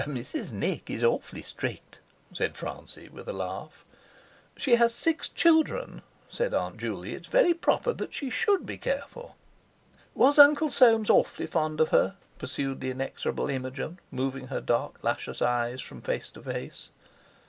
"Mrs. Nick is awfully strict," said Francie with a laugh. "She has six children," said Aunt Juley; "it's very proper she should be careful." "Was Uncle Soames awfully fond of her?" pursued the inexorable Imogen, moving her dark luscious eyes from face to face.